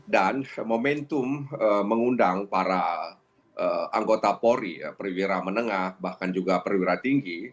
dan momentum mengundang para anggota polri perwira menengah bahkan juga perwira tinggi